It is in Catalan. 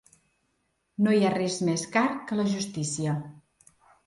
No hi ha res més car que la justícia.